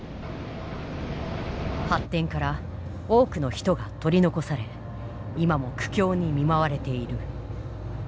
発展から多くの人が取り残され今も苦境に見舞われている。